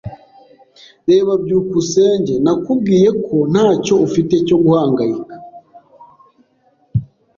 Reba byukusenge, nakubwiye ko ntacyo ufite cyo guhangayika.